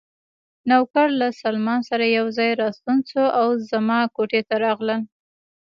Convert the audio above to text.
نوکر له سلمان سره یو ځای راستون شو او زما کوټې ته راغلل.